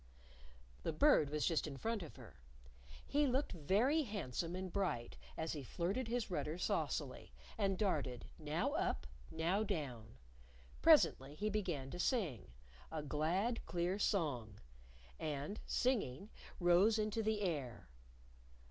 The Bird was just in front of her. He looked very handsome and bright as he flirted his rudder saucily, and darted, now up, now down. Presently, he began to sing a glad, clear song. And singing, rose into the air.